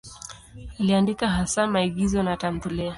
Aliandika hasa maigizo na tamthiliya.